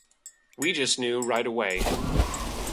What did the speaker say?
We just knew right away.